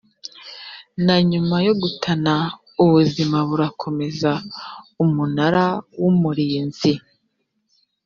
na nyuma yo gutana ubuzima burakomeza umunara w umurinzi